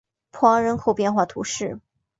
普昂人口变化图示